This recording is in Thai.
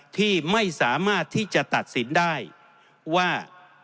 ที่ไม่สามารถที่จะตัดสินได้ว่า